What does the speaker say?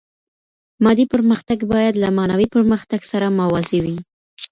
مادي پرمختګ باید له معنوي پرمختګ سره موازي وي.